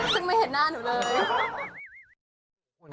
ซึ่งไม่เห็นหน้าหนูเลย